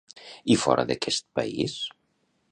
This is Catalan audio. I fora d'aquest país?